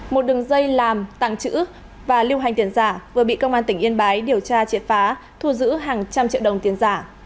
một đường dây làm tặng chữ và lưu hành tiền giả vừa bị công an tỉnh yên bái điều tra triệt phá thu giữ hàng trăm triệu đồng tiền giả